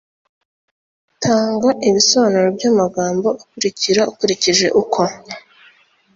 tanga ibisobanuro by’amagambo akurikira ukurikije uko